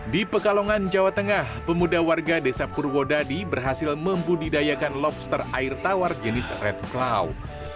di pekalongan jawa tengah pemuda warga desa purwodadi berhasil membudidayakan lobster air tawar jenis red cloud